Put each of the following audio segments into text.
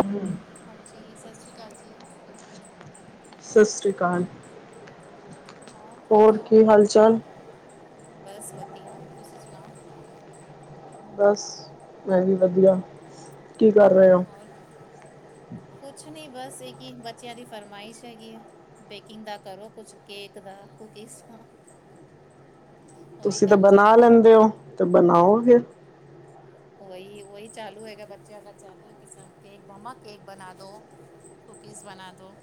Hello, ਹਾਂਜੀ ਸਤਿ ਸ਼੍ਰੀ ਅਕਾਲ ਜੀ। ਸਤਿ ਸ੍ਰੀ ਅਕਾਲ। ਔਰ ਹੋਰ ਕਿਵੇਂ ਹੋ ਕੀ ਹਾਲ ਚਾਲ? ਬਸ ਵਧੀਆ, ਤੁਸੀਂ ਸੁਣਾਓ? ਬਸ ਮੈਂ ਵੀ ਵਧੀਆ ਕੀ ਕਰ ਰਹੇ ਹੋ? ਹੋਰ, ਕੁਛ ਨਹੀਂ ਬਸ ਇਹੀ ਬੱਚਿਆਂ ਦੀ ਫਰਮਾਇਸ਼ ਹੈਗੀ ਹੈ। ਬੇਕਿੰਗ ਦਾ ਕਰੋ, ਕੁਛ ਕੇਕ ਦਾ ਕੂਕੀਜ਼ ਹਾਂ। ਤੁਸੀਂ ਤਾਂ ਬਣਾ ਲੈਂਦੇ ਹੋ ਤੇ ਬਣਾਓ ਫਿਰ। ਉਹੀ ਉਹੀ ਚਾਲੂ ਹੈਗਾ ਬੱਚਿਆਂ ਦਾ ਚਾਲੂ ਕਿਸ ਤਰ੍ਹਾਂ ਕੇਕ ਮੰਮਾ ਕੇਕ ਬਣਾ ਦੋ। ਕੂਕੀਜ਼ ਬਣਾ ਦਉ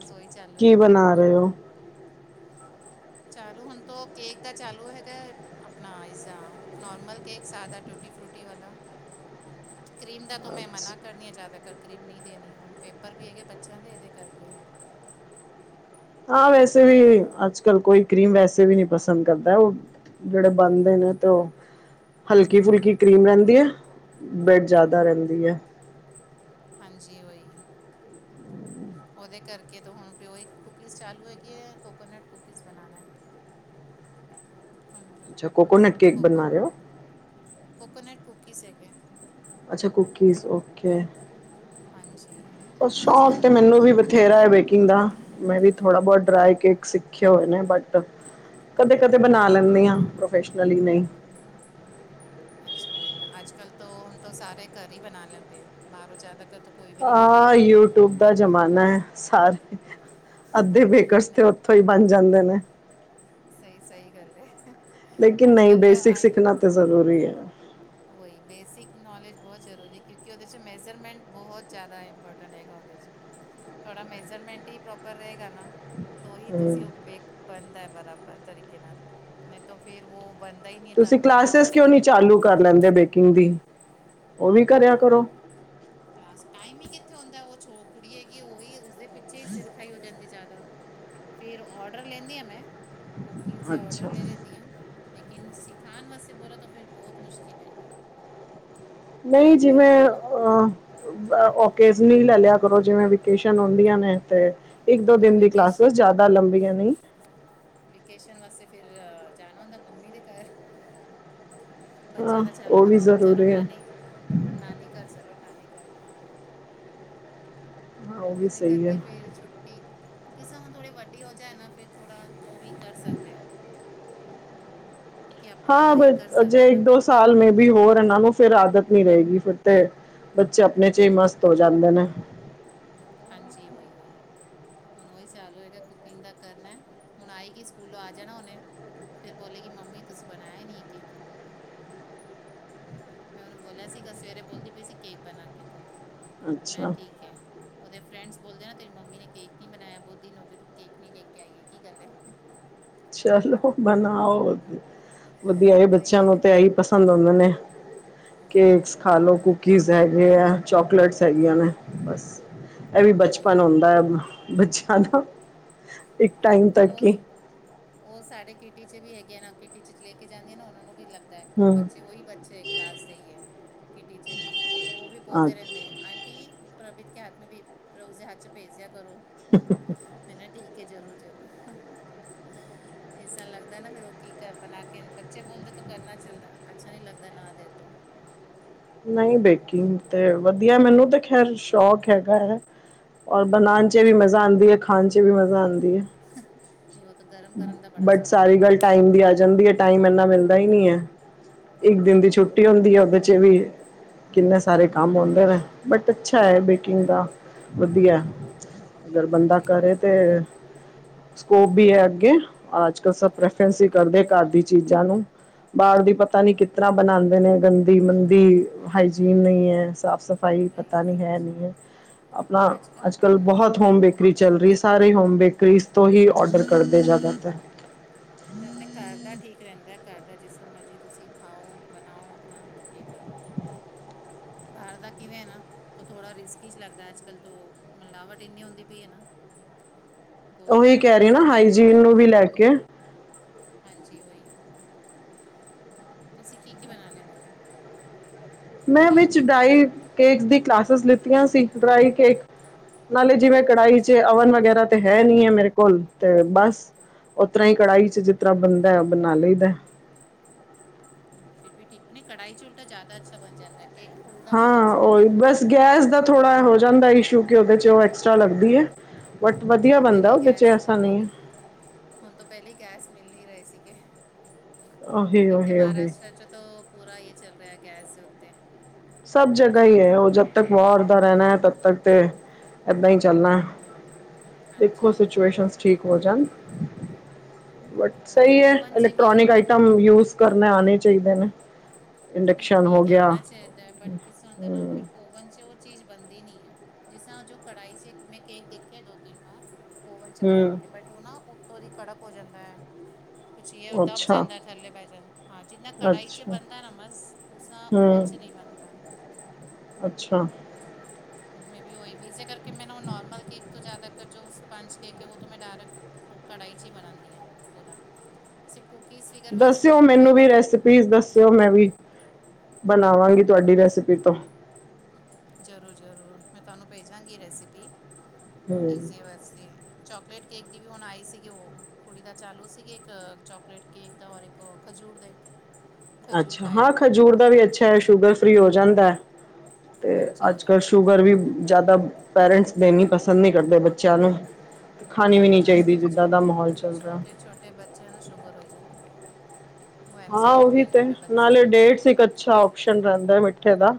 ਰਸੋਈ ਚਾਲੂ ਕੀ ਹੈਗਾ। ਬਣਾ ਰਹੇ ਹੋ [unintelligible] ਚਾਲੂ ਹੁਣ ਤ ਕੇਕ ਦਾ ਚਾਲੂ ਹੈਗਾ ਆਪਣਾ ਇਸਦਾ ਨੋਰਮਲ ਕੇਕ ਸਾਦਾ। ਟੂਟੀ ਫਰੂਟੀ ਵਾਲਾ। ਕਰੀਮ ਦਾ ਤਾਂ ਮੈਂ ਮਨਾ ਕਰਨੀ ਹਾਂ ਜ਼ਿਆਦਾਤਰ ਕਰੀਮ ਨਹੀਂ ਦੇਣੀ ਹੁਣ ਪੇਪਰ ਵੀ ਹੈਗੇ ਬੱਚਿਆਂ ਦੇ ਇਹਦੇ ਕਰਕੇ। ਹਾਂ ਵੈਸੇ ਵੀ ਅੱਜ ਕੱਲ ਕੋਈ ਕਰੀਮ ਵੈਸੇ ਵੀ ਨਹੀਂ ਪਸੰਦ ਕਰਦਾ ਉਹ ਜਿਹੜੇ ਬਣਦੇ ਨੇ ਤੇ ਉਹ ਹਲਕੀ ਫੁਲਕੀ ਕਰੀਮ ਰਹਿੰਦੀ ਹੈ ਬਰੈਡ ਜ਼ਿਆਦਾ ਰਹਿੰਦੀ ਹੈ। ਹਾਂਜੀ ਉਹੀ। ਉਹਦੇ ਕਰਕੇ ਤਾਂ ਹੁਣ ਫਿਰ ਉਹੀ ਕੂਕੀਜ਼ ਚਾਲੂ ਹੈਗੀ ਹੈ ਕੋਕੋਨਟ ਕੁੂਕੀਜ਼ ਬਣਾਉਣਾ। ਹੁਣ ਤਾਂ ਅੱਛਾ ਕੋਕੋਨੇਟ ਕੇਕ ਬਣਾ ਰਏ ਓ। ਕੋਕੋਨੇਟ ਕੁੂਕੀਜ਼ ਹੈਗੇ। ਅੱਛਾ ਕੂਕੀਜ਼ ਓਕੇ ਹਾਂਜੀ ਉਹ ਉਹੀ ਸ਼ੌਂਕ ਚੱਲ ਤੇ ਰਿਆ। ਮੈਨੂੰ ਵੀ ਬਥੇਰਾ ਹੈ ਬੇਕਿੰਗ ਦਾ ਮੈਂ ਵੀ ਥੋੜਾ ਬੋਤ ਡਰਾਈ ਕੇਕ ਸਿੱਖੇ ਹੋਏ ਨੇ ਬਟ ਕਦੇ-ਕਦੇ ਬਣਾ ਲੈਂਣੀ ਆਂ ਪ੍ਰੋਫੈਸ਼ਨਲੀ ਨਈ ਅੱਛਾ ਉਹੀ ਨਾ ਅੱਜ ਕੱਲ੍ਹ ਤਾਂ ਹੁਣ ਤਾਂ ਸਾਰੇ ਘਰ ਹੀ ਬਣਾ ਲੈਂਦੇਏ ਆ ਬਾਰੋਂ ਜਾਦਾ ਘ ਆਹ ਯੂਟਿਊਬ ਦਾ ਜ਼ਮਾਨਾ ਹੈ ਸਾਰੇ ਅੱਧੇ ਬੇਕਰਸ ਤੇ ਨਹੀਂ ਉੱਥੋਂ ਹੀ ਬਣ ਜਾਂਦੇ ਨੇ। ਸਈ-ਸਈ ਗੱਲ ਏ। ਲੇਕਿਨ ਨਹੀਂ ਬੇਸਿਕ ਸਿੱਖਣਾ ਤਾਂ ਜ਼ਰੂਰੀ ਹੈ। ਉਹੀ ਬੇਸਿਕ ਨੌਲੇਜ ਬਹੁਤ ਜ਼ਰੂਰੀ ਕਿਉਂਕਿ ਉਹਦੇ 'ਚ ਮੈਜਰਮੈਂਟ ਬੋਤ ਜਾਦਾ ਇੰਪੋਰਟੈਂਟ ਹੈਗਾ ਉਹਦੇ 'ਚ ਤੁਹਾਡਾ ਮੇਜਰਮੈਂਟ ਹੀ ਪ੍ਰੋਪਰ ਰਹੇਗਾ ਨਾ। ਤੋਂ ਹੀ ਹਮ, ਤੁਸੀਂ ਓ ਬੇਕ ਬਣਦਾ ਹੈ ਬਰਾਬਰ ਤਰੀਕੇ ਨਾਲ ਨਈ ਤਾਂ ਫੇਰ ਓ ਬਣ ਦਾ ਨਈ ਤੁਸੀਂ ਢੰਗ ਨਾਲ ਨਾ ਓ ਕਲਾਸਿਸ ਕਿਉਂ ਫੋ ਨਹੀਂ ਚਾਲੂ ਕਰ ਲੈਂਦੇ ਬੇਕਿੰਗ ਦੀ ਓ ਵੀ ਕਰਿਆ ਕਰੋ। ਨਹੀਂ ਕਲਾਸ ਟਾਈਮ ਹੀ ਕਿੱਥੇ ਹੁੰਦਾ ਓ ਕੁੜੀ ਹੇਗੀ ਹੀ ਓ ਉਹੀ ਉਸਦੇ ਪਿੱਛੇ ਹੀ ਸਿਰ ਖਾਈ ਜਾਂਦੀ ਜਾਦਾ ਫਿਰ ਆਡਰ ਲੈਂਣੀ ਮੈਂ ਕੂਕੀਜ਼ ਦੇ ਆਡਰ ਅੱਛਾ ਲੈ ਲੈਂਣੀ ਆਂ। ਲੇਕਿਨ ਸਿਖਾਣ ਵਾਸਤੇ ਬੋਲਾ ਤਾਂ ਫਿਰ ਬਹੁਤ ਮੁਸ਼ਕਿਲ ਹੈਗਾ। ਨਈ ਟਾਈਮ ਨਹੀਂ ਹੁੰਦਾ ਜਿਵੇਂ ਹੈ ਨਾ ਅਂ ਓਕੇਜ ਲੈ ਲਿਆ ਕਰੋ ਜਿਵੇਂ ਵੇਕੇਸ਼ਨ ਹੁੰਦੀਆਂ ਨੇ ਤੇ ਇੱਕ ਦੋ ਤਾਂ ਦਿਨ ਦੀ ਵਿਕੇਸ਼ ਕਲਾਸਿਸ ਜਾਦਾ ਲੰਬੀਆਂ ਨਈ ਵੇਕੇਸ਼ਨ ਵਾਸਤੇ ਫਿਰ ਜਾਣਾ ਹੁੰਦਾ ਮੰਮੀ ਦੇ ਘਰ ਬੱਚਿਆਂ ਹਾਂ ਦਾ ਚਲੋ ਉਹ ਤੇ ਵੀ ਮੰ ਚਲੋ ਜ਼ਰੂਰੀ ਹੈ ਨਾਨੀ-ਨਾਨੀ ਘਰ ਚਲੋ ਨਾਨੀ ਘਰ ਹਾਂ ਉਹ ਵੀ ਉਹਦੇ ਸਹੀ ਕਰਕੇ ਹੈ ਫਿਰ ਛੁੱਟੀ ਕਿਸੇ ਹੁਣ ਥੋੜ੍ਹੀ ਵੱਡੀ ਹੋ ਜਾਏ ਨਾ ਫਿਰ ਥੋੜ੍ਹਾ ਤੋਂ ਵੀ ਕਰ ਸਕਦੇ ਆ। ਕਿ ਆਪਣਾ ਹਾਂ ਬ ਇਹ ਕਰ ਸਕਦੇ ਅਜੇ ਆ ਨਾ ਇੱਕ ਦੋ ਕੰਮ ਸਾਲ ਮੇ ਵੀ ਹੋਰ ਇਹਨਾਂ ਨੂੰ ਫਿਰ ਆਦਤ ਨਈ ਰਏ ਗੀ ਫਿਰ ਤੇ ਬੱਚੇ ਆਪਣੇ 'ਚ ਹੀ ਮਸਤ ਹੋ ਜਾਂਦੇ ਨੇ। ਹਾਂਜੀ ਵਈ-ਵਈ ਹੁਣ ਓਹੀ ਚਾਲੂ ਹੈਗਾ ਕੁਕਿੰਗ ਦਾ ਕਰਨਾ ਹੁਣ ਆਏਗੀ ਸਕੂਲੋਂ ਆ ਜਾਣਾ ਉਨੇ ਫਿਰ ਬੋਲੇ ਗੀ ਮੰਮੀ ਤੁਸੀਂ ਬਣਾਇਆ ਨਈ ਕੇਕ ਮੈਂ ਉਹਨੂੰ ਬੋਲਿਆ ਸੀਗਾ ਸਵੇਰੇ ਬੋਲਦੀ ਪਈ ਸੀ ਕੇਕ ਬਣਾ ਕੇ ਦੋਨੋ ਮੈਂ ਅੱਛਾ ਠੀਕ ਐ। ਉਹਦੇ ਫਰੈਂਡਸ ਬੋਲਦੇ ਨਾ ਤੇਰੀ ਮੰਮੀ ਨੇ ਕੇਕ ਨੀ ਬਣਾਇਆ ਬੋਤ ਦਿਨ ਹੋ ਕੇ ਤੂੰ ਕੇਕ ਨੀ ਲੈ ਕੇ ਆਈਏ ਕੀ ਗੱਲ ਐ। ਚਲੋ ਬਣਾਓ। ਵਧੀਆ ਏ ਉਹੀ ਬੱਚਿਆਂ ਇਹਦੇ ਨੂੰ ਤੇ ਆਹੀ ਪਸੰਦ ਹੁੰਦੇ ਨੇ ਕੇਕ ਖਾ ਲਓ ਕੂਕੀਜ਼ ਹੈਗੇ ਆ ਚੋਕਲੇਟਸ ਹੈਗੀਆਂ ਨੇ ਬਸ ਇਹ ਵੀ ਉਹੀ ਬਚਪਨ ਉਹੀ ਹੁੰਦਾ ਹੈ ਬੱਚਿਆਂ ਦਾ ਇੱਕ ਟਾਈਮ ਹੁਣ ਤੱਕ ਹੀ ਓ-ਓ ਸਾਡੇ ਕਿਟੀ 'ਚ ਵੀ ਹੈਗੀਆਂ ਨਾ ਕਿਟੀ 'ਚ ਲੈ ਕੇ ਜਾਂਣੀਆਂ ਨਾ ਉਹਨਾਂ ਨੂੰ ਵੀ ਲੱਗਦਾ। ਹਮ ਬੱਚੇ ਉਹੀ ਬੱਚੇ ਕਲਾਸ ਦੇ ਹੀ ਹੈ ਕਿਟੀ 'ਚ ਵੀ ਤੋ ਓ ਵੀ ਹਾਂ ਬੋਲਦੇ ਰੈਂਦੇ। ਆਂਟੀ ਪ੍ਰਭਿਤ ਕੇ ਹੱਥ ਮੇ ਉਸ ਦੇ ਹੱਥ 'ਚ ਭੇਜ ਦਿਆ ਕਰੋ ਮੈਂ ਨਾ ਠੀਕ ਕੇ ਜ਼ਰੂਰ-ਜ਼ਰੂਰ ਇਸ ਤਰ੍ਹਾਂ ਲੱਗਦਾ ਨਾ ਫੇਰ ਓ ਕੀ ਬਣਾ ਕੇ ਬੱਚੇ ਬੋਲਦੇ ਤਾਂ ਕਰਨਾ ਚੱਲਦਾ ਅੱਛਾ ਨੀ ਲੱਗਦਾ ਨਾ ਦੇ ਤੋ ਨਈ ਬੇਕਿੰਗ ਤੇ ਵਧੀਆ ਮੈਨੂੰ ਤੇ ਖੈਰ ਸ਼ੌਕ ਹੈਗਾ। ਔਰ ਬਣਾਣ 'ਚ ਵੀ ਮਜਾ ਆਂਦੀ ਏ ਖਾਣ 'ਚ ਵੀ ਮਜਾ ਆਂਦੀ ਏ। ਨਈ ਓ ਤੇ ਗਰਮ-ਗਰਮ ਦਾ ਬੜਾ ਬਟ ਸਵਾਦ ਸਾਰੀ ਆਉਂਦਾ। ਗੱਲ ਟਾਈਮ ਦੀ ਆ ਜਾਂਦੀ ਏ, ਟਾਈਮ ਐਂਨਾ ਮਿਲਦਾ ਈ ਨੀ ਐ। ਇੱਕ ਦਿਨ ਦੀ ਛੁੱਟੀ ਹੁੰਦੀ ਐ ਓਦੇ 'ਚ ਵੀ ਕਿੰਨੇ ਸਾਰੇ ਕੰਮ ਹੋਂਦੇ ਨੇ, ਬਟ ਅੱਛਾ ਐ ਬੇਕਿੰਗ ਦਾ, ਵਧੀਐ ਅਗਰ ਬੰਦਾ ਕਰੇ ਤੇ ਸਕੋਪ ਬੀ ਐ ਅੱਗੇ। ਆਜ ਕੱਲ ਸਭ ਪ੍ਰੈਫਰੈਂਸ ਈ ਕਰਦੇ ਘਾਰ ਦੀ ਚੀਜ਼ਾਂ ਨੂੰ। ਬਾਰ ਦੀ ਪਤਾ ਨੀ ਕਿਤਰ੍ਹਾਂ ਬਨਾਂਦੇ ਨੇ ਗੰਦੀ ਮੰਦੀ ਹਾਈਜੀਨ ਨਈ ਐ ਸਾਫ਼ ਸਫ਼ ਸਫਾਈ ਨਹੀਂ ਪਤਾ ਨੀ ਹੈ ਸੱਚੀ ਨੀ ਐ। ਆਪਣਾ ਅੱਜ ਤੋਂ ਕੱਲ ਕਿੰਨਾ ਬੋਹੋਤ ਹੁੰਦਾ ਹੋਮ ਬੇਕਰੀ ਪਿਆ ਚੱਲ ਰੀ ਸੀ ਸਾਰੇ ਹੋਮ ਬੇਕਰੀਜ਼ ਤੋਂ ਹੀ ਔਡਰ ਕਰਦੇ ਜ਼ਿਆਦਾਤਰ ਨ ਤੇ ਆਪਣੇ ਘਰ ਦਾ ਠੀਕ ਰੈਂਦੈ। ਘਰ ਦਾ ਜਿਸਰ੍ਹਾਂ ਮਰਜ਼ੀ ਤੁਸੀ ਖਾਓ, ਬਣਾਓ ਆਪਣਾ ਏ ਕਰੋ। [unintelligible] ਬਾਰ ਦਾ ਕਿਵੇਂ ਐ ਨਾ ਤੇ ਥੋੜ੍ਹਾ ਰਿਸਕ ਇੱਚ ਲੱਗਦੈ ਅੱਜ ਕੱਲ ਤੋਂ ਮਿਲਾਵਟ ਏਨੀ ਹੁੰਦੀ ਪਈ ਏ ਨਾ [unintelligible] ਓਈ ਜ਼ਿਆਦਾ ਕੈ ਹੈ ਰੀ ਆ ਨਾ ਹਾਈਜੀਨ ਨੂੰ ਵੀ ਲੈ ਕੇ ਹਾਂਜੀ ਓਈ। ਤੁਸੀ ਕੀ-ਕੀ ਬਣਾ ਲੈਂਦੇ ਫੇਰ? ਮੈਂ ਵਿੱਚ ਡਰਾਈ ਕੇਕਸ ਦੀ ਕਲਾਸਿਸ ਲਿੱਤੀਆਂ ਸੀ, ਡਰਾਈ ਕੇਕ ਨਾਲੇ ਜਿਵੇਂ ਕੜਾਈ ਅੱਛਾ 'ਚ ਨਹੀਂ ਅਵਨ ਵਗੈਰਾ ਤੇ ਹੈ ਨੀ ਐ ਮੇਰੇ ਕੋਲ ਤੇ ਬਸ ਓਤਰ੍ਹਾਂ ਈ ਕੜਾਹੀ 'ਚ ਜਿਤਰ੍ਹਾਂ ਬਨਦੈ ਬਣਾ ਲਈਦੈ। ਫਿਰ ਵੀ ਠੀਕ ਨਈ ਕੜਾਹੀ 'ਚ ਉਲਟਾ ਜਾਦਾ ਅੱਛਾ ਬਣ ਜਾਂਦੈ। ਕੇਕ ਫੁਲਦਾ ਬੋਤ ਹਾਂ ਅੱਛੀ ਉਹ ਤਰ੍ਹਾਂ ਨਾਲ ਐ। ਬਸ ਗੈਸ ਦਾ ਥੋੜ੍ਹਾ ਹੋ ਜਾਂਦੈ ਇਸ਼ੂ ਕਿ ਓਹਦੇ 'ਚ ਓ ਐਕਸਟਰਾ ਲੱਗਦੀ ਏ। ਬਟ ਹੁਣ ਵਧੀਆ ਤੋਂ ਬਨਦੈ ਪਹਿਲੇ ਹੀ ਉਹਦੇ 'ਚ ਗੈਸ ਐਸਾ ਮਿਲੀ ਨਈ ਐ। ਹੁਣ ਤੋਂ ਪੈਲੇ ਈ ਗੈਸ ਮਿਲ ਨੀ ਰਏ ਸੀਗੇ। ਓਹੀ, ਓਹੀ, ਓਹੀ। ਤ ਪੂਰਾ ਯੇ ਚੱਲ ਰਿਐ ਗੈਸ ਦੇ ਉੱਤੇ। ਸਭ ਜਗਾ ਈ ਐ ਓ ਜਦ ਤੱਕ ਮੈਨੂੰ ਇਹ ਹੈ ਵਾਰ ਦਾ ਕਿ ਰੈਨੈ ਤਬ ਤੱਕ ਤੇ ਐਦਾਂ ਈ ਚੱਲਨੈ। ਦੇਖੋ ਹਾਂਜੀ ਉਹੀ ਸਿਚੁਏਸ਼ਨਸ ਠੀਕ ਹੋ ਜਾਣ ਬਟ ਉਹਦੇ ਸਈ ਐ ਓਵਨ 'ਚ ਕੀ ਇਲੈਕਟ੍ਰੋਨਿਕ ਹੁੰਦਾ ਆਈਟਮ ਯੂਸ ਕਰਨੇ ਔਣੇ ਚਾਈਦੇ ਨੇ। ਨਈ ਇੰਡਕਸ਼ਨ ਹੋ ਠੀਕ ਐ ਗਿਆ ਆਣਾ ਚਾਈਦੈ ਬਟ ਕਿਸਾਂ ਦਾ ਨਾ ਫਿਰ ਹੂੰ ਓਵਨ 'ਚ ਓ ਚੀਜ਼ ਬਨਦੀ ਨਈ ਆ। ਜਿਸਾਂ ਜੋ ਕੜਾਈ 'ਚ ਏੱਕ ਮੈਂ ਕੇਕ ਦੇਖ਼ੇਆ ਦੋ-ਤਿੰਨ ਵਾਰ ਓਵਨ 'ਚ ਬਣਾ ਹੂੰ ਕੇ ਬਟ ਓ ਨਾ ਉੱਤੋਂ ਦੀ ਕੜਕ ਹੋ ਜਾਂਦੈ। ਕੁਛ ਯੇ ਓ ਦੱਬ ਅੱਛਾ ਜਾਂਦੈ, ਥੱਲੇ ਬੈ ਜਾਂ। ਹਾਂ, ਜਿੰਨਾ ਕੜਾਈ 'ਚ ਅੱਛਾ ਬਣਦਾ ਨਾ ਮਰ ਸ ਓਸਾਂ ਓਵਨ ਹੂੰ 'ਚ ਨਈ ਬਨਦਾ। ਅੱਛਾ। ਮੇ ਬੀ ਓਈ ਵੀ ਇਸੇ ਕਰਕੇ ਮੇਨੂੰ ਨੋਰਮਲ ਕੇਕ ਤੋਂ ਜਾਦਾ ਜੋ ਸਪੰਚ ਕੇਕ ਏ ਓ ਤਾਂ ਮੈਂ ਡਾਇਰੈਕਟ ਓ ਕੜਾਈ 'ਚ ਈ ਬਣਾਂਦੀ ਆਂ ਪੂਰਾ ਸੇ ਕੂਕੀਜ਼ ਵੀ ਦੱਸਿਓ ਮੈਨੂੰ ਵੀ ਰੈਸਪੀਜ਼ ਦੱਸਿਓ ਮੈਂ ਵੀ ਬਣਾਵਾਂਗੀ ਤੁਆਡੀ ਰੈਸਿਪੀ ਤੋ। ਜ਼ਰੂਰ-ਜ਼ਰੂਰ ਮੈਂ ਤੁਆਨੂੰ ਭੇਜਾਂਗੀ ਰੈਸਿਪੀ ਹੂੰ ਈਜ਼ੀ ਵਾ ਅਸੀ ਚੋਕਲੇਟ ਕੇਕ ਦੀ ਵੀ ਹੁਣ ਆਈ ਸੀਗੀ ਉਹ ਕੁੜੀ ਦਾ ਚਾਲੂ ਸੀਗੇ ਏੱਕ ਚੋਕਲੇਟ ਕੇਕ ਦਾ ਔਰ ਏੱਕ ਓ ਖਜੂਰ ਦਾ ਈ। ਅੱਛਾ ਹਾਂ ਖਜੂਰ ਦਾ ਵੀ ਅੱਛਾ ਐ ਸ਼ੂਗਰ ਫ੍ਰਰੀ ਹੋ ਜਾਂਦੈ। ਤੇ ਹਾਂਜੀ ਅੱਜ ਉਹੀ ਕੱਲ੍ਹ ਸ਼ੂਗ ਮੀਂ ਜ਼ਿਆਦਾ ਪੇਰੈਂਟਸ ਦੇਣੀ ਪਸੰਦ ਨਹੀਂ ਕਰਦੇ ਬੱਚਿਆਂ ਨੂੰ ਖਾਣੀ ਵੀ ਨਹੀਂ ਨੀ ਅੱਜ ਚਾਹੀਦੀ ਕੱਲ੍ਹ ਜਿੱਦਾਂ ਛੋ ਦਾ ਮਾਹੌਲ ਚੱਲ ਰਾ। ਛੋਟੇ ਛੋਟੇ ਬੱਚਿਆਂ ਨੂੰ ਸ਼ੂਗਰ ਹੋਈ ਜਾਂਦੀ ਪਈ ਏ। ਹਾਂ ਓਹੀ ਤੇ ਨਾਲੇ ਡੇਟਸ ਇਕ ਅੱਛਾ ਓਪਸ਼ਨ ਰਹਿੰਦਾ ਮਿੱਠੇ ਦਾ,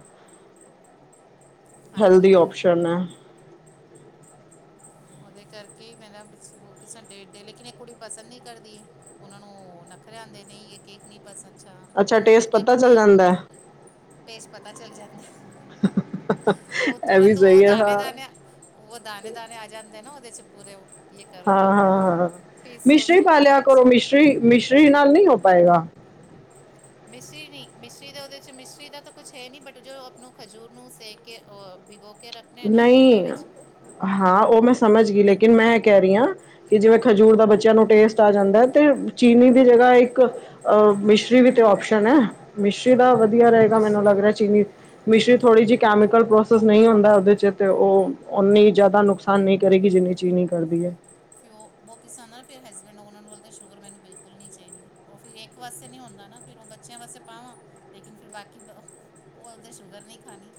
ਹਾਂਜੀ ਹੈਲਦੀ ਉਹੀ ਓਪਸ਼ਨ ਐ। ਓਦੇ ਕਰਕੇ ਈ ਮੈਂ ਨਾ ਓ [unintelligible] ਡੇਟ ਦੇ ਲੇਕਿਨ ਏ ਕੁੜੀ ਪਸੰਦ ਨਈ ਕਰਦੀ ਏ। ਓਨਾਂ ਨੂੰ ਨਖਰੇ ਆਂਦੇ ਨਈ ਯੇ ਕੇਕ ਨੀ ਬਸ ਅੱਛਾ, ਓਨਾਂ ਨੂੰ ਟੇਸਟ ਲੱਗਦਾ ਪਤਾ ਕਿ ਚੱਲ ਨਈ ਜਾਂਦਾ ਹੈ ਟੇਸਟ ਪਤਾ ਚੱਲ ਜਾਂਦਾ ਓ ਇਹ ਵੀ ਤੁਰੰਤ ਓ ਸਹੀ ਹੈ ਹਾਂ ਦਾਨੇ-ਦਾਨੇ ਓ ਦਾਨੇ-ਦਾਨੇ ਆ ਜਾਂਦੇ ਨਾ, ਓਦੇ 'ਚ ਪੂਰੇ ਓ ਹਾਂ, ਹਾਂ, ਹਾਂ, ਮਿਸ਼ਰੀ ਸੋ ਪਾ ਲਿਆ ਡੇਟਸ ਕਰੋ, ਨੂੰ ਮਿਸ਼ਰੀ, ਮਿਸ਼ਰੀ ਨਾਲ ਨਈ ਹੋ ਪਾਏਗਾ। ਮਿਸ਼ਰੀ ਨੀ, ਮਿਸ਼ਰੀ ਦਾ ਓਦੇ 'ਚ ਮਿਸ਼ਰੀ ਦਾ ਤਾਂ ਕੁਛ ਹੈ ਨੀ, ਬਟ ਜੋ ਆਪਾਂ ਨੂੰ ਖਜੂਰ ਨੂੰ ਸੇਕ ਕੇ ਓ ਭੀਗੋ ਨਈ, ਹਾਂ ਓ ਮੈਂ ਸਮਝ ਗਈ ਲੇਕਿਨ ਮੈਂ ਐ ਕਹਿ ਰੀ ਆਂ ਕਿ ਜਿਵੇਂ ਖਜੂਰ ਦਾ ਬੱਚਿਆਂ ਨੂੰ ਟੇਸਟ ਆ ਜਾਂਦਾ ਐ ਤੇ ਚੀਨੀ ਦੀ ਜਗ੍ਹਾ ਇੱਕ ਅਹ ਮਿਸ਼ਰੀ ਵੀ ਤੇ ਓਪਸ਼ਨ ਐ। ਮਿਸ਼ਰੀ ਦਾ ਵਧੀਆ ਰਹੇਗਾ ਮਿਸ਼ ਮੈਨੂੰ ਲੱਗ ਰਿਹਾ, ਚੀਨੀ ਮਿਸ਼ਰੀ ਥੋੜੀ ਜਿਹੀ ਕੈਮੀਕਲ ਪ੍ਰੋਸੈਸ ਨਹੀਂ ਹੁੰਦਾ। ਓਦੇ 'ਚ ਤੇ ਓ ਓਨੀ ਜਾਦਾ ਨੁਕਸਾਨ ਨਈ ਕਰੇਗੀ, ਜਿੰਨੀ ਚੀਨੀ ਕਰਦੀ ਐ। ਫੇਰ ਓ, ਓ ਕਿਸ [unintelligible] ਫੇਰ ਹਸਬੈਂਡ ਓਨਾਂ ਨੂੰ ਲੱਗਦਾ ਸ਼ੂਗਰ ਮੈਨੂੰ ਬਿਲਕੁਲ ਨਈ ਚਾਈਦੀ, ਓ ਫੇਰ ਇੱਕ ਵਾਸਤੇ ਨਈ ਹੁੰਦਾ ਨਾ ਫਿਰ ਓ ਬੱਚਿਆਂ ਵਾਸਤੇ ਪਾਵਾਂ ਲੇਕਿਨ ਫਿਰ ਬਾਕੀ ਓਦੇ ਸ਼ੂਗਰ ਨਈ ਖਾਨੀ।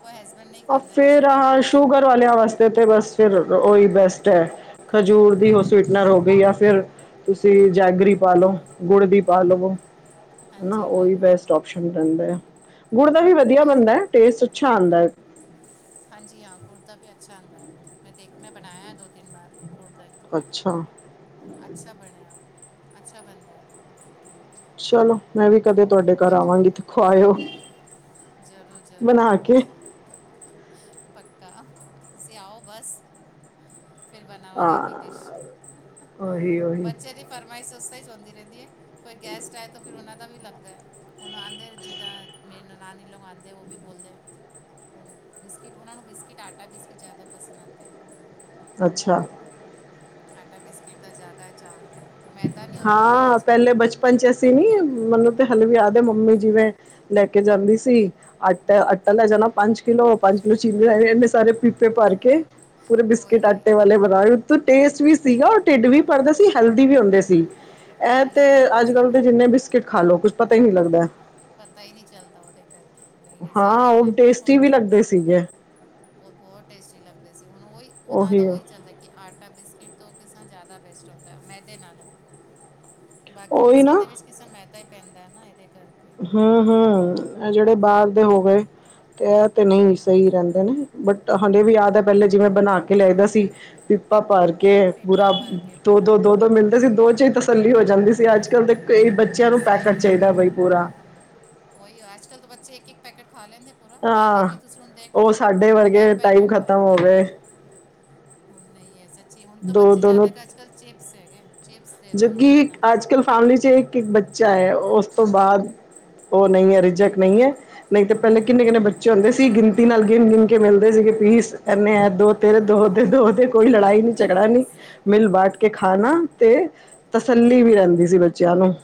ਕੋਈ ਹਸਬੈਂਡ ਨਈ ਔਰ ਖਾਂਦੇ ਨਾ ਫਿਰ ਸ਼ੂਗਰ। ਆਹ ਸ਼ੂਗਰ ਵਾਲਿਆਂ ਵਾਸਤੇ ਤੇ ਬਸ ਫਿਰ ਓਈ ਬੈਸਟ ਐ। ਖਜੂਰ ਦੀ ਓ ਸਵੀਟਨਰ ਹੋ ਗੀ ਯਾ ਫਿਰ ਤੁਸੀਂ ਜੈਗਰੀ ਪਾ ਲੋ, ਗੁੜ ਦੀ ਪਾ ਲਵੋ। ਹਨਾ, ਹਾਂਜੀ ਓਈ ਉਹੀ ਉਹੀ ਬੈਸਟ ਓਪਸ਼ਨ ਰਹਿੰਦਾ ਐ। ਗੁੜ ਦਾ ਵੀ ਵਧੀਆ ਉਹੀ ਬਨਦਾ ਐ, ਜ਼ਿਆਦਾ ਟੇਸਟ ਅੱਛਾ ਆਂਦਾ ਐ। ਹਾਂਜੀ ਹਾਂ ਗੁੜ ਦਾ ਵੀ ਅੱਛਾ ਆਂਦਾ ਐ, ਮੈਂ ਦੇਖ, ਮੈਂ ਬਨਾਇਆ ਦੋ-ਤਿੰਨ ਵਾਰ ਗੁੜ ਦਾ ਈ। ਅੱਛਾ। ਅੱਛਾ ਬਣਿਆ ਓ, ਅੱਛਾ ਬਨਦਾ ਹੈਗਾ। ਗੁੜ ਚ ਚਲੋ, ਮੈਂ ਵੀ ਕਦੇ ਤੁਹਾਡੇ ਘਰ ਬਚ ਆਵਾਂਗੀ। ਖਵਾਇਓ ਜ਼ਰੂਰ, ਜ਼ਰੂਰ ਬਣਾ ਆਇਓ, ਕੇ ਪੱਕਾ। ਪੱਕਾ, ਤੁਸੀਂ ਆਓ ਬਸ। ਫਿਰ ਬਨਾਵਾਂਗੇ ਇੱਕ-ਇੱਕ ਹਾਂ ਡਿਸ਼, ਉਹੀ ਉਹੀ ਬੱਚੇ ਦੀ ਫਰਮਾਇਸ਼ ਓਸ [unintelligible] ਹੋਂਦੀ ਰਹਿੰਦੀ ਏ, ਕੋਈ ਗੈਸਟ ਆਏ ਤਾਂ ਫਿਰ ਓਨਾਂ ਦਾ ਵੀ ਲੱਗਦਾ ਐ, ਹੁਨ ਆਂਦੇ ਨੇ ਜੀ ਮੇਰੀ ਨਨਾਨੀ ਲੋਕ ਆਂਦੇ ਓ ਵੀ ਬੋਲਦੇ ਓ ਬਿਸਕਿਟ ਓਨਾਂ ਨੂੰ ਬਿਸਕਿਟ, ਆਟਾ ਬਿਸਕਿਟ ਜਾਦਾ ਪਸੰਦ ਆਂਦੇ ਐ। ਅੱਛਾ। ਆਟਾ ਬਿਸਕਿਟ ਦਾ ਜਾਦਾ ਚਾਅ ਆਂਦਾ ਐ, ਓ ਮੈਦਾ ਨੀ ਹੁੰਦਾ ਨਾ ਓਦੇ 'ਚ। ਪੰਚ ਅਸੀ ਨੀ ਮੈਨੂੰ ਤੇ ਹਾਲੇ ਵੀ ਯਾਦ ਐ, ਮੰਮੀ ਜਿਵੇਂ ਲੈ ਕੇ ਜਾਂਦੀ ਸੀ। ਆਟਾ, ਆਟਾ ਲੈ ਜਾਣਾ ਪੰਜ ਕਿਲੋ, ਪੰਜ ਕਿਲੋ ਚੀਨੀ ਲੈ ਜਾਨੇ, ਇਨੇ ਸਾਰੇ ਪੀਪੇ ਭਰ ਕੇ। ਪੂਰੇ ਬਿਸਕਿਟ ਉਹੀ ਆਟੇ ਉਹੀ ਵਾਲੇ ਬਣਾ, [unintelligible] ਟੇਸਟ ਵੀ ਸੀਗਾ, ਔਰ ਢਿੱਡ ਵੀ ਭਰਦਾ ਸੀ, ਹੈਲ ਦੀ ਵੀ ਹੁੰਦੇ ਸੀ, ਐ ਹੈਲਦੀ ਤੇ ਵੀ ਹੁੰਦੇ ਸੀ ਅੱਜ-ਕੱਲ ਉਹੀ ਤੇ ਜਿੰਨੇ ਬਿਸਕਿਟ ਖਾ ਲੋ ਕੁੱਛ ਪਤਾ ਹੀ ਨੀ ਲੱਗਦਾ ਐ। ਪਤਾ ਹੀ ਨਈ ਚੱਲਦਾ ਓਦੇ ਕਰਕੇ, ਨਈ-ਨਈ, ਸਈ ਹਾਂ ਗੱਲ ਉਹ ਐ, ਟੇਸਟੀ ਹੁਨ ਵੀ ਲੱਗਦੇ ਸੀਗੇ ਓ ਬੋਤ ਟੇਸਟੀ ਲੱਗਦੇ ਸੀ, ਹੁਨ ਓਈ ਓਨਾਂ ਦਾ ਉਹੀ ਓਈ ਚੱਲਦਾ ਕਿ ਆਟਾ ਬਿਸਕਿਟ ਤੋਂ ਕਿਸ ਤਰਾਂ ਜਾਦਾ ਬੈਸਟ ਹੁੰਦਾ ਐ, ਮੈਦੇ ਨਾਲੋਂ। ਬਾਕੀ ਉਹੀ ਬਿਸਕਿਟ ਨਾ ਦੇ ਵਿੱਚ, ਕਿਸੇ ਮੈਦਾ ਈ ਪੈਂਦਾ ਨਾ ਏਦੇ ਕਰਕੇ। ਹਾਂ-ਹਾਂ, ਐ ਜੇੜੇ ਬਾਰ ਦੇ ਹੋ ਗਏ ਤੇ ਐ ਤੇ ਨਈ ਈ ਹਾਂਜੀ ਰਹਿੰਦੇ ਨੇ। ਬਟ ਹਾਲੇ ਵੀ ਯਾਦ ਐ ਪਹਿਲੇ ਜਿਵੇਂ ਬਨਾ ਕੇ ਲਿਆਈਦਾ ਸੀ ਪਿੱਪਾ ਭਰ ਕੇ ਬੁਰਾ ਪੇਪਾ ਭਰ ਕੇ ਦੋ ਪੂਰਾ ਦੋ ਦੋ ਦੋ ਮਿਲਦੇ ਸੀ ਦੋ ਚ ਹੀ ਤਸੱਲੀ ਹੋ ਜਾਂਦੀ ਸੀ। ਅੱਜ ਕੱਲ ਦੇ ਕਈ ਬੱਚਿਆਂ ਨੂੰ ਸਹੀ ਪੈਕਟ ਗੱਲ ਚਾਹੀਦਾ ਬਾਈ ਪੂਰਾ। ਉਹੀ ਆ ਅੱਜ ਕੱਲ ਤਾਂ ਬੱਚੇ ਇੱਕ ਇੱਕ ਪੈਕੇਟ ਖਾ ਲੈਂਦੇ ਪੂਰਾ ਪਾ ਲੇ ਹਾਂ ਜੀ ਤੁਸੀਂ ਹੁਣ ਦੇਖ ਲਓ ਸਾਡੇ ਉਹ ਪੂਰਾ ਵਰਗੇ ਇੱਕ ਟਾਈਮ ਪੈਕੇਟ ਖਾ ਖਤਮ ਲੈ ਹੋ ਕੇ। ਗਏ ਉਹ ਨਹੀਂ ਹੈ ਸੱਚੀ ਹੁਣ ਤਾਂ ਦੋ ਬੱਚੇ ਦੋ ਜ਼ਿਆਦਾ ਅੱਜ ਕੱਲ੍ਹ ਚੇਪਸ ਹੈਗੇ। ਚਿਪਸ ਦੇ ਦਿਓ ਜਦ ਉਹਨਾਂ ਨੂੰ ਕਿ ਜਿੰਨਾ ਅੱਜ ਮਰਜ਼ੀ ਕੱਲ੍ਹ ਫੈਮਲੀ ਚ ਇੱਕ ਇੱਕ ਬੱਚਾ ਹੈ ਉਸ ਤੋਂ ਬਾਅਦ ਉਹ ਨਹੀਂ ਹੈ ਰਿਜਕ ਨਹੀਂ ਹੈ। ਨਹੀਂ ਤਾਂ ਪਹਿਲੇ ਕਿੰਨੇ ਕਿੰਨੇ ਬੱਚੇ ਹੁੰਦੇ ਸੀ ਗਿਣਤੀ ਨਾਲ ਗਿਣ ਗਿਣ ਕੇ ਮਿਲਦੇ ਸੀਗੇ ਪੀਸ ਇਨੇ ਦੋ ਤੇਰੇ ਉਹੀ ਦੋ ਦੋ ਕੋਈ ਲੜਾਈ ਨੀ ਝਗੜਾ ਨਹੀਂੀ ਸਹੀ ਮਿਲ ਬਾਟ ਕੇ ਖਾਣਾ [unintelligible] ਤੇ ਤਸੱਲੀ ਵੀ ਰਹਿੰਦੀ ਸੀ ਬੱਚਿਆਂ ਨੂੰ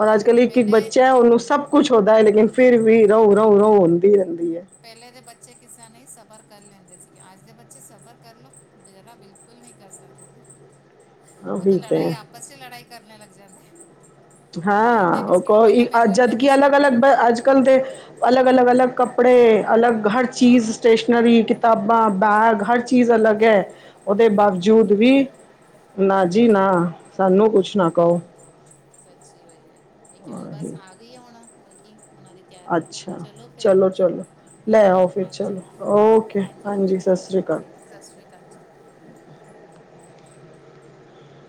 ਔਰ ਅੱਜ ਕੱਲ੍ਹ ਉਹੀ ਇੱਕ ਇੱਕ ਪਹਿਲੇ ਬੱਚਾ ਹੈ ਉਹਨੂੰ ਸਭ ਕੁਛ ਹੁੰਦਾ ਹੈ ਲੇਕਿਨ ਫਿਰ ਵੀ ਰੋਹ ਰਹੂ ਰੋਹ ਹੁੰਦੀ ਰਹਿੰਦੀ ਹੈ। ਪਹਿਲੇ ਦੇ ਬੱਚੇ ਕਿਸੇ ਨੇ ਸਬਰ ਕਰ ਲੈਂਦੇ ਸੀਗੇ ਅੱਜ ਦੇ ਬੱਚੇ ਸਬਰ ਕਰ ਲੋ ਜਰਾ ਬਿਲਕੁਲ ਨਹੀਂ ਕਰ ਸਕਦੇ ਹੋ। ਉਹ ਤਾਂ ਉਹੀ ਤੇ ਲੜਾਈ ਹੈ ਆਪਸ ਚ [unintelligible] ਲੜਾਈ ਕਰਨ ਲੱਗ ਜਾਂਦੇ। ਉਹਨੂੰ ਇੰਨੇ ਹਾਂ ਉਹ ਬਿਸਕਿਟ ਮਿਲੇ ਕ ਮੈਨੂੰ ਇੰਨੇ ਜਦਕਿ ਅਲੱਗ ਬਿਸਕਿਟ ਅਲੱਗ ਮਿਲੇ ਅੱਜ ਕੱਲ੍ਹ ਦੇ ਅਲੱਗ ਅਲੱਗ ਅਲੱਗ ਕੱਪੜੇ ਅਲੱਗ ਹਰ ਚੀਜ਼ ਸਟੇਸ਼ਨਰੀ ਕਿਤਾਬਾਂ ਬੈਗ ਹਰ ਚੀਜ਼ ਅਲੱਗ ਹੈ ਉਹਦੇ ਬਾਵਜੂਦ ਵੀ ਨਾ ਜੀ ਨਾ ਸਾਨੂੰ ਕੁਛ ਨਾ ਕਹੋ। ਬਹੁਤ ਸੱਚੀ ਬਾਈ ਹੈ ਇਹ ਹੁਣ ਬਸ ਆਹੀ, ਆ ਗਈ ਆ ਹੁਣ ਹੋਰ ਕੀ ਉਹਨਾਂ ਦੀ ਤਿਆਰੀ ਆ ਅੱਛਾ ਫਿਰ ਚਲੋ ਚਲੋ। ਲੈ ਆਓ ਫਿਰ ਹਾਂਜੀ ਚਲੋ ਓਕੇ ਹਾਂਜੀ ਸਤਿ ਓਕੇ ਸ੍ਰੀ ਅਕਾਲ। ਓਕੇ ਸਤਿ ਸ਼੍ਰੀ ਅਕਾਲ ਜੀ।